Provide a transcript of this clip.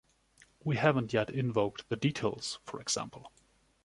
We haven’t yet invoked the details, for example...